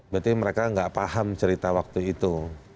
berarti mereka nggak paham cerita waktu itu